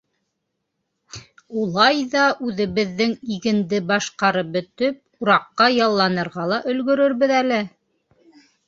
— Улай ҙа үҙебеҙҙең игенде башҡарып бөтөп, ураҡҡа ялланырға ла өлгөрөрбөҙ әле.